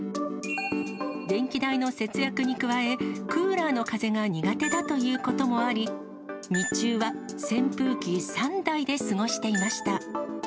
電気代の節約に加え、クーラーの風が苦手だということもあり、日中は扇風機３台で過ごしていました。